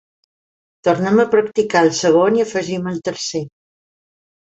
Tornem a practicar el segon i afegim el tercer.